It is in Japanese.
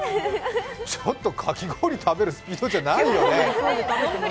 ちょっと、かき氷食べるスピードじゃないよね。